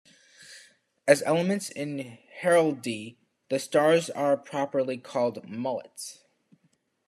As elements in heraldry, the stars are properly called mullets.